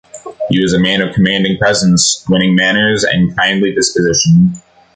He was a man of commanding presence, winning manners, and kindly disposition.